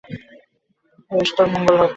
বেশ, তার মঙ্গল হোক।